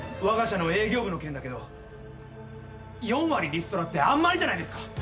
わが社の営業部の件だけど４割リストラってあんまりじゃないですか？